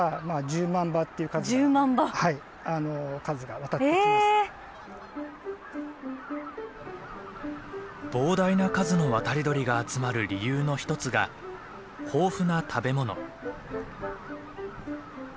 １０万羽⁉膨大な数の渡り鳥が集まる理由の一つが豊富な食べ物。